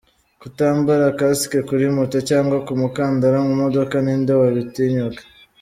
Kutambara kasike kuri moto cyangwa umukandara mu modoka, ni nde wabitinyuka!?.